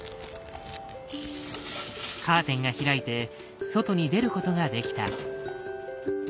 カーテンが開いて外に出ることができた。